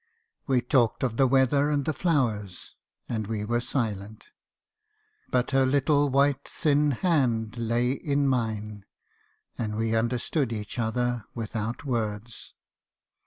We talked of the weather and the flowers; and we were silent. But her little white thin hand lay in mine ; and we understood each other without words.